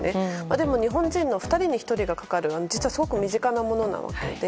でも、日本人の２人に１人がかかる実はすごく身近なものなわけで。